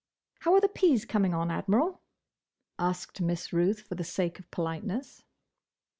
"How are the peas coming on, Admiral?" asked Miss Ruth, for the sake of politeness.